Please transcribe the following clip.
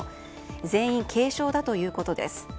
全員軽傷だということです。